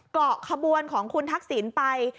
เกาะขบวนของคุณทักษิณไป